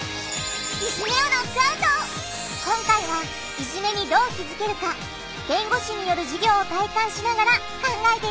今回はいじめにどう気づけるか弁護士による授業を体感しながら考えていくよ